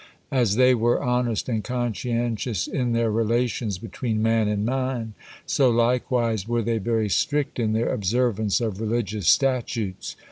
As there were honest and conscientious in their relations between man and man, so likewise were they very strict in their observance of religious statutes.